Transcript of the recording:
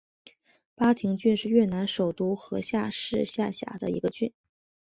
巴亭郡是越南首都河内市下辖的一个郡。